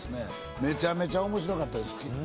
めちゃめちゃ面白かったです。